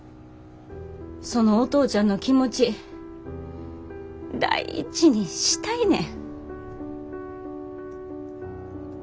そのお父ちゃんの気持ち大事にしたいねん。